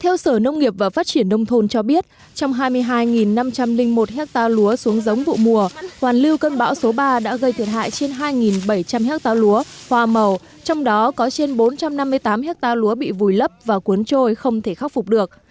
theo sở nông nghiệp và phát triển nông thôn cho biết trong hai mươi hai năm trăm linh một hectare lúa xuống giống vụ mùa hoàn lưu cơn bão số ba đã gây thiệt hại trên hai bảy trăm linh ha lúa hoa màu trong đó có trên bốn trăm năm mươi tám hectare lúa bị vùi lấp và cuốn trôi không thể khắc phục được